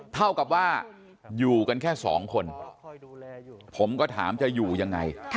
เท่ากับว่าอยู่กันแค่สองคนผมก็ถามจะอยู่ยังไง